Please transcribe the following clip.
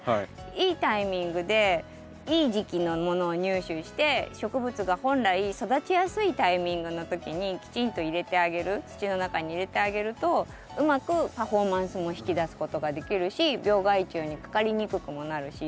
いいタイミングでいい時期のものを入手して植物が本来育ちやすいタイミングの時にきちんと入れてあげる土の中に入れてあげるとうまくパフォーマンスも引き出すことができるし病害虫にかかりにくくもなるし。